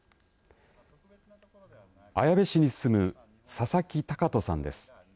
綾部市に住む佐々木崇人さんです。